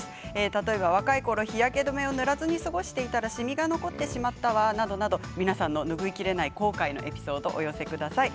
例えば若いころ日焼け止めを塗らずに過ごしていたらしみが残ってしまった話などなど皆さんの拭いきれない後悔のエピソードをお寄せください。